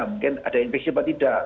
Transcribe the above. mungkin ada infeksi apa tidak